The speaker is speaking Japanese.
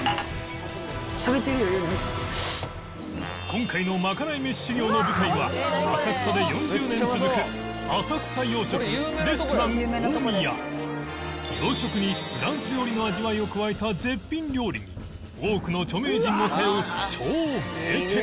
今回のまかない飯修業の舞台は浅草で４０年続く洋食にフランス料理の味わいを加えた絶品料理に多くの著名人も通う超名店